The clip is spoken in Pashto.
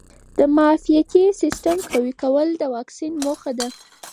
د معافیتي سیسټم قوي کول د واکسین موخه ده.